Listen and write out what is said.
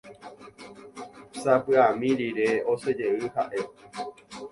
Sapy'ami rire osẽjey ha'e.